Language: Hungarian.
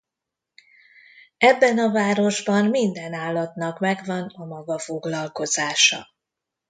Ebben a városban minden állatnak megvan a maga foglalkozása.